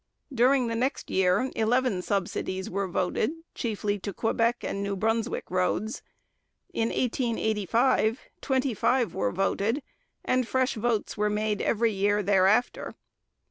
During the next year eleven subsidies were voted, chiefly to Quebec and New Brunswick roads; in 1885 twenty five were voted, and fresh votes were made every year thereafter.